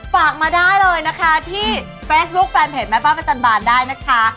ฝากมาได้เลยนะคะที่เฟซบุ๊คแฟนเพจแม่บ้านประจันบาลได้นะคะ